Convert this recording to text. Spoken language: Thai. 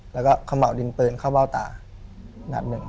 แล้วก็ขม่าวดินปืนเข้าเบ้าตานัดหนึ่ง